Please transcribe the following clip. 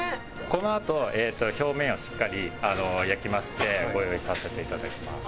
このあと表面をしっかり焼きましてご用意させていただきます。